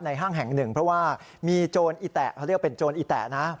ห้างแห่งหนึ่งเพราะว่ามีโจรอีแตะเขาเรียกเป็นโจรอีแตะนะ